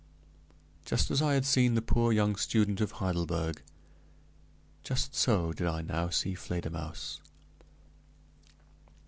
Just as I had seen the poor young student of Heidelberg, just so did I now see Fledermausse.